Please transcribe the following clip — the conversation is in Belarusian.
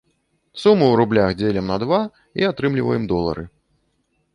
Суму ў рублях дзелім на два і атрымліваем долары.